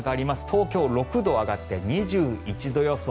東京は６度上がって２１度予想。